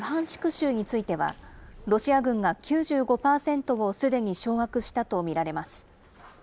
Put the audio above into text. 州については、ロシア軍が９５％をすでに掌握したと見られます。